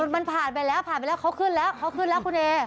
มันผ่านไปแล้วเขาขึ้นแล้วคุณเอ